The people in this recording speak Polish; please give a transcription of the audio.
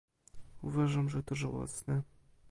Uważam, że to żałosne